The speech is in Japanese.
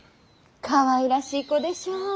かわいらしい子でしょう。